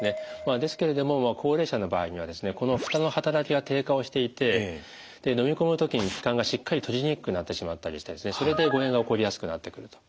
ですけれども高齢者の場合にはこのふたの働きが低下をしていて飲み込む時に気管がしっかり閉じにくくなってしまったりしてそれで誤えんが起こりやすくなってくると。